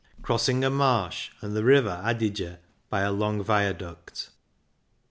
crossing a marsh and the river Adige by a long viaduct.